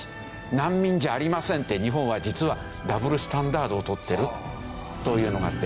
難民じゃありませんって日本は実はダブルスタンダードをとってるというのがあって。